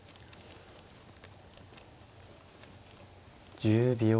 １０秒。